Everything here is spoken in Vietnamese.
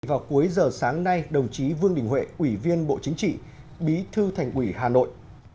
vào cuối giờ sáng nay đồng chí vương đình huệ ủy viên bộ chính trị bí thư thành ủy hà nội